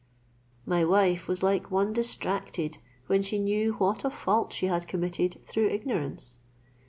My wife was like one distracted, when she knew what a fault she had committed through ignorance.